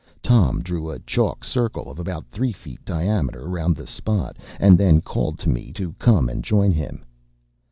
Tom drew a chalk circle of about three feet diameter round the spot, and then called to me to come and join him.